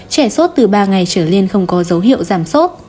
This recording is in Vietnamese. trẻ sốt từ ba ngày trở lên không có dấu hiệu giảm sốt